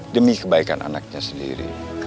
demi kebaikan anaknya sendiri